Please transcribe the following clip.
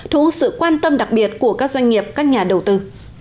thu hút sự quan tâm đặc biệt của các doanh nghiệp các nhà đầu tư